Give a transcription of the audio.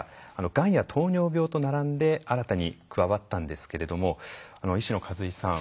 がんや糖尿病と並んで新たに加わったんですけれども医師の數井さん